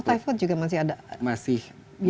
typhoid juga masih ada